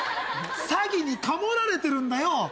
詐欺にカモられてるんだよ。